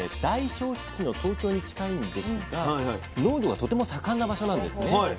大消費地の東京に近いんですが農業がとても盛んな場所なんですね。